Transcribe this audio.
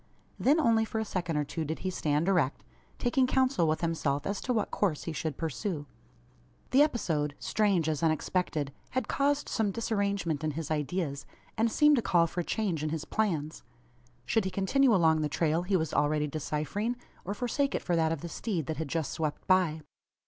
Then only for a second or two did he stand erect taking council with himself as to what course he should pursue. The episode strange as unexpected had caused some disarrangement in his ideas, and seemed to call for a change in his plans. Should he continue along the trail he was already deciphering; or forsake it for that of the steed that had just swept by?